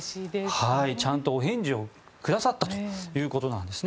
ちゃんとお返事をくださったということです。